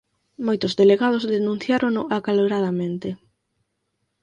Moitos delegados denunciárono acaloradamente.